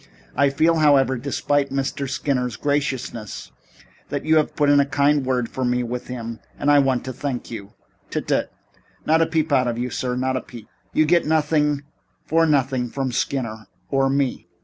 I feel, however, despite Mr. Skinner's graciousness, that you have put in a kind word for me with him, and I want to thank you " "Tut, tut. Not a peep out of you, sir. Not a peep. You get nothing for nothing from Skinner or me.